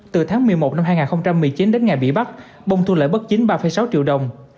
từ tháng một mươi một năm hai nghìn một mươi chín đến ngày bị bắt bông thu lợi bất chính ba sáu triệu đồng